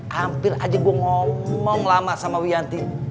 hampir aja gua ngomong lama sama wianti